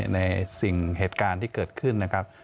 ในสิ่งเหตุการณ์ที่เกิดขึ้นนะครับ